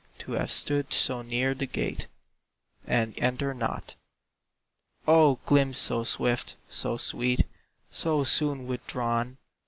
To have stood so near the gate And enter not? O glimpse so swift, so sweet, So soon withdrawn!